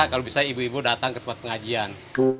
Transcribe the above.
kalau bisa ibu ibu datang ke tempat pengajian